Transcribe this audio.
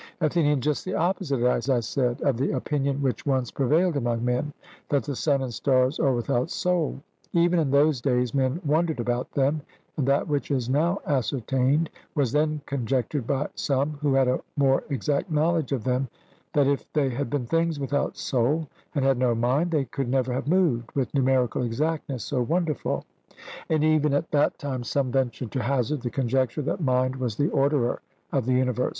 ATHENIAN: Just the opposite, as I said, of the opinion which once prevailed among men, that the sun and stars are without soul. Even in those days men wondered about them, and that which is now ascertained was then conjectured by some who had a more exact knowledge of them that if they had been things without soul, and had no mind, they could never have moved with numerical exactness so wonderful; and even at that time some ventured to hazard the conjecture that mind was the orderer of the universe.